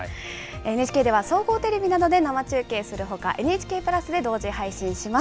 ＮＨＫでは、総合テレビなどで生中継するほか、ＮＨＫプラスで同時配信します。